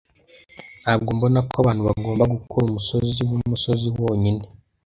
Ntabwo mbona ko abantu bagomba gukora umusozi wumusozi wonyine.